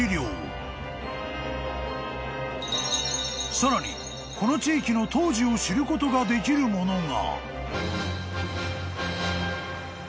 ［さらにこの地域の当時を知ることができるものが］